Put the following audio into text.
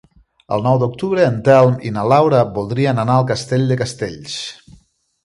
El nou d'octubre en Telm i na Laura voldrien anar a Castell de Castells.